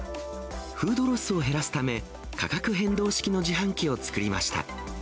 フードロスを減らすため、価格変動式の自販機を作りました。